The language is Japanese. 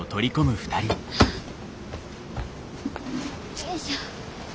よいしょ。